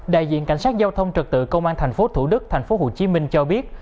đại diện cảnh sát giao thông trực tự công an thành phố thủ đức thành phố hồ chí minh cho biết